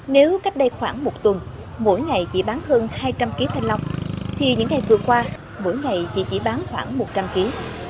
nếu cách đây khoảng một tuần mỗi ngày chỉ bán hơn hai trăm linh ký thanh long thì những ngày vừa qua mỗi ngày chỉ bán khoảng một trăm linh ký